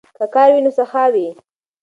که کار وي نو سخا وي.